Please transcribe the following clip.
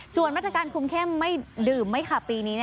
ส่วนมาตรการคุมเข้มไม่ดื่มไม่ขับปีนี้